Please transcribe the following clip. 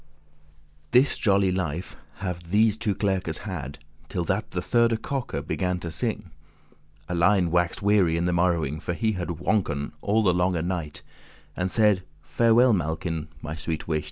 This jolly life have these two clerkes had, Till that the thirde cock began to sing. Alein wax'd weary in the morrowing, For he had swonken* all the longe night, *laboured And saide; "Farewell, Malkin, my sweet wight.